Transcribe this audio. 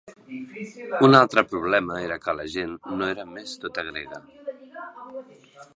Un altre problema era que la gent no era més tota grega.